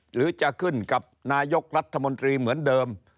หรือจะขึ้นกับนายกรัฐมนตรีเหมือนเดิม